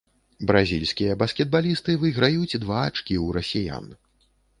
Бразільскія баскетбалісты выйграюць два ачкі ў расіян.